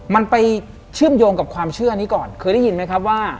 มันไปเชื่อมโยงกับความเชื่อนี้ก่อนเคยได้ยินไหมครับว่า